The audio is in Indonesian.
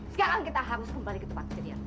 sekarang kita harus kembali ke tempat kejadian